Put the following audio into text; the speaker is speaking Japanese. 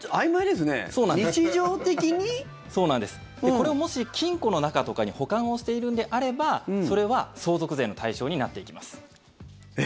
これをもし金庫の中とかに保管をしているんであればそれは相続税の対象になっていきます。